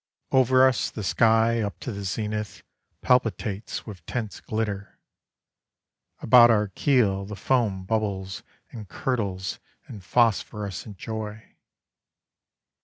Over us the sky up to the zenith Palpitates with tense glitter: About our keel the foam bubbles and curdles In phosphorescent joy.